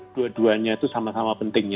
dua duanya itu sama sama penting ya